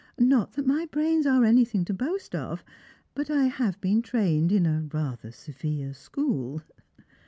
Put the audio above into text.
'Soi. that my Irams are anything to boast of, but I have been trained in a rather severe school."